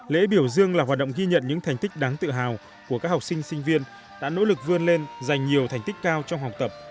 lễ biểu dương là hoạt động ghi nhận những thành tích đáng tự hào của các học sinh sinh viên đã nỗ lực vươn lên giành nhiều thành tích cao trong học tập